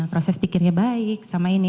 proses pikirnya baik selama ini